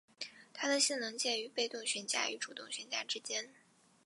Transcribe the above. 它的性能介于被动悬架与主动悬架之间。